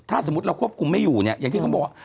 ถ้าสมมุติเราควบคุมไม่อยู่เนี่ยอย่างที่เขาบอกว่า